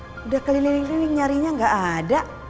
sudah keliling keliling nyarinya nggak ada